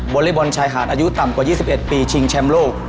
อเล็กบอลชายหาดอายุต่ำกว่า๒๑ปีชิงแชมป์โลก